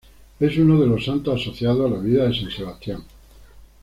Es uno de los santos asociados a la vida de San Sebastián.